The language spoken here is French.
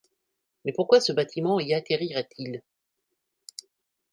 Mais pourquoi ce bâtiment y atterrirait-il?